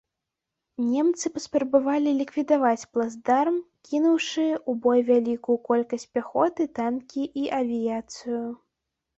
Немцы паспрабавалі ліквідаваць плацдарм, кінуўшы ў бой вялікую колькасць пяхоты, танкі і авіяцыю.